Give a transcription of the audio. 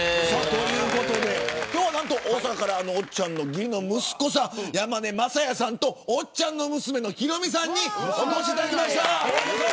ということで今日は大阪からおっちゃんの義理の息子さんの山根正也さんとおっちゃんの娘の宏美さんにお越しいただきました。